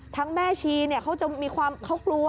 ทั้งแม่ชีเขาจะมีความเค้ากลัว